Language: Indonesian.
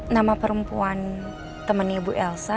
nama perempuan temannya ibu elsa